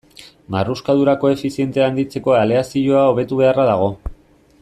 Marruskadura koefizientea handitzeko aleazioa hobetu beharra dago.